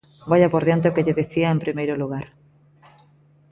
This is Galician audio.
Vaia por diante o que lle dicía en primeiro lugar.